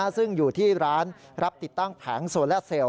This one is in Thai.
ซึ่งอยู่ที่ร้านรับติดตั้งแผงโซล่าเซลล